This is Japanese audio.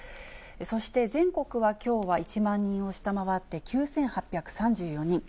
そして全国はきょうは１万人を下回って、９８３４人。